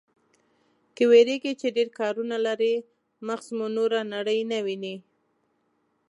که وېرېږئ چې ډېر کارونه لرئ، مغز مو نوره نړۍ نه ويني.